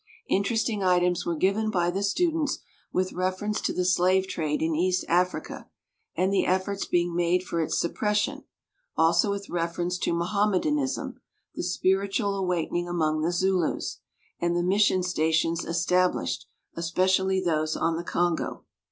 Interesting items were given by the students with reference to the slave trade in East Africa and the efforts being made for its suppression, also with reference to Moham medanism, the spiritual awakening among the Zulus, and the mission stations estab lished, especially those on the Congo.